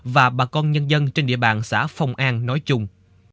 và bà con nhân dân trên địa bàn xã phong an nói chung